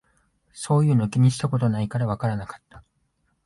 そういうの気にしたことないからわからなかった